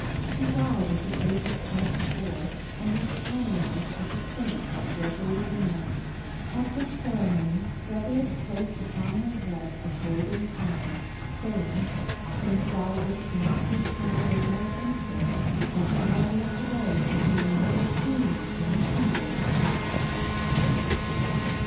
She died at the age of twenty four, and was canonized as a saint by Gregory IX. At this ceremony Frederick placed upon her head a golden crown, saying, "Since thou wouldst not be crowned as my Empress, I crown thee to day as an immortal Queen in the kingdom of God."